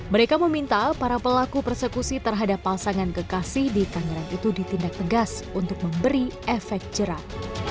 mereka meminta para pelaku persekusi terhadap pasangan kekasih di tangerang itu ditindak tegas untuk memberi efek jerak